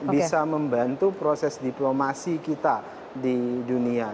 bisa membantu proses diplomasi kita di dunia